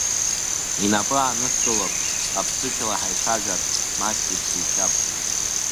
Инапы ааныскылап, аԥсышәала ҳаицәажәар, маҷк иԥсишьап.